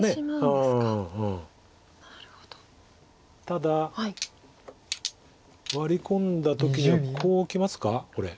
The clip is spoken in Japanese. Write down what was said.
ただワリ込んだ時にはこうきますかこれ。